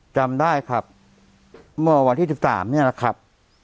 จำได้ครับเมื่อวันที่๑๓นี่แหละครับ